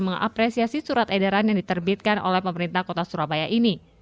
mengapresiasi surat edaran yang diterbitkan oleh pemerintah kota surabaya ini